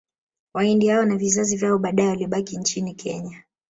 Wahindi hao na vizazi vyao baadae walibakia nchini Kenya